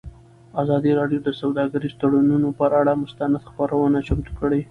ازادي راډیو د سوداګریز تړونونه پر اړه مستند خپرونه چمتو کړې.